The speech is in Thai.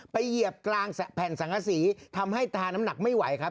เหยียบกลางแผ่นสังกษีทำให้ตาน้ำหนักไม่ไหวครับ